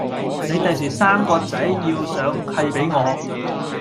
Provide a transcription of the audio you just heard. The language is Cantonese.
你第時生個仔要上契畀我